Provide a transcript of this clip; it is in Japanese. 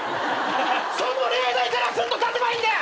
その例題からすっと出せばいいんだ！